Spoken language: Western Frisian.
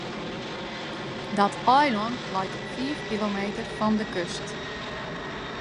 Dat eilân leit op fiif kilometer fan de kust.